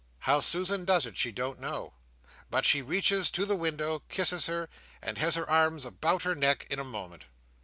How Susan does it, she don't know, but she reaches to the window, kisses her, and has her arms about her neck, in a moment.